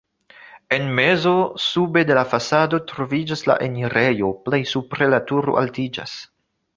En mezo, sube de la fasado troviĝas la enirejo, plej supre la turo altiĝas.